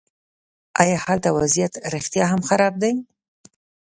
ایا هلته وضعیت رښتیا هم خراب دی.